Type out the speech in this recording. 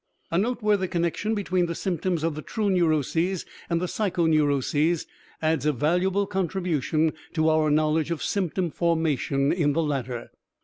A noteworthy connection between the symptoms of the true neuroses and the psychoneuroses adds a valuable contribution to our knowledge of symptom formation in the latter.